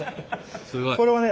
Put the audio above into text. これはね